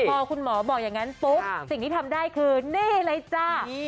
พอคุณหมอบอกอย่างนั้นปุ๊บสิ่งที่ทำได้คือนี่เลยจ้า